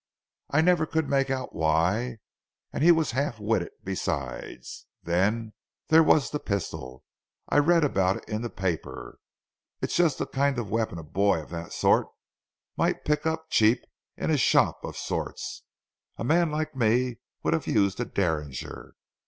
I never could make out why, and he was half witted besides. Then there was the pistol I read about in the papers. It is just the kind of weapon a boy of that sort might pick up cheap in a shop of sorts. A man like me would have used a Derringer.